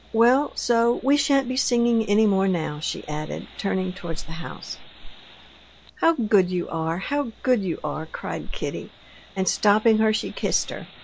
Well, so we shan't be singing any more now," she added, turning towards the house. "How good you are! how good you are!" cried Kitty, and stopping her, she kissed her.